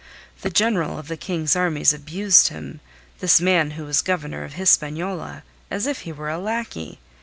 The General of the King's Armies abused him this man who was Governor of Hispaniola as if he were a lackey.